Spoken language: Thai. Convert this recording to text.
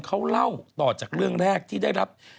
เขาเล่าต่อจากเรื่องแรกที่ได้รับ